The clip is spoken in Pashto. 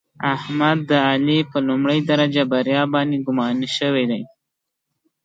احمد د علي په لومړۍ درجه بریا باندې ګماني شوی دی.